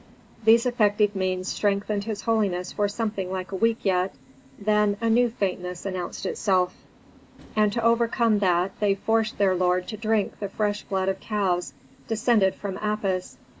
These effective means strengthened his holiness for something like a week yet; then a new faintness announced itself, and to overcome that they forced their lord to drink the fresh blood of calves descended from Apis.